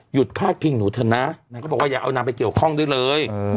พาดพิงหนูเถอะนะนางก็บอกว่าอย่าเอานางไปเกี่ยวข้องด้วยเลย